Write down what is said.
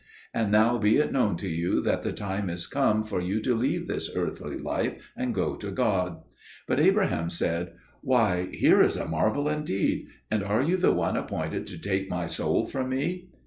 And now be it known to you that the time is come for you to leave this earthly life and go to God." But Abraham said, "Why, here is a marvel indeed! And are you the one appointed to take my soul from me?"